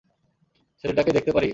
ছেলেটাকে দেখতে পারি?